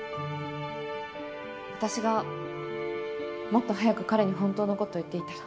私がもっと早く彼に本当の事を言っていたら。